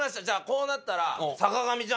じゃあこうなったら。